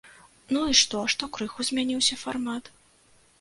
Ну, і што, што крыху змяніўся фармат?